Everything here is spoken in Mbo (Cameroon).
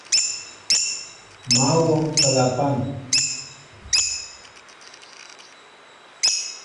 Mă wɔŋ flapan.